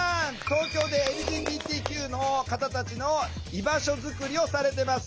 東京でＬＧＢＴＱの方たちの居場所作りをされてます。